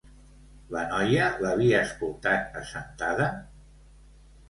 La noia l'havia escoltat assentada?